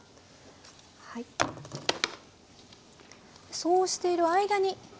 そうしている間に。